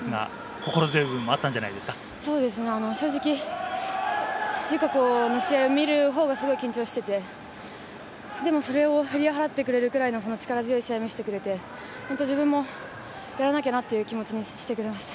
心強い部分も正直、友香子の試合を見るほうがすごい緊張していて、それを振り払ってくれるぐらいの力強い試合を見せてくれて自分もやらなきゃなっていう気持ちにさせてくれました。